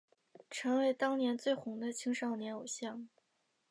成为当年最红的青少年偶像。